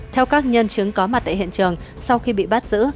theo các nhân chứng có mặt tại hiện trường sau khi bị bắt giữ